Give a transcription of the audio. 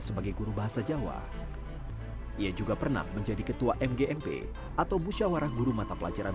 sebagai guru bahasa jawa ia juga pernah menjadi ketua mgmp atau musyawarah guru mata pelajaran